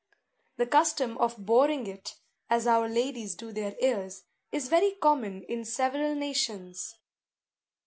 The custom of boring it, as our ladies do their ears, is very common in several nations.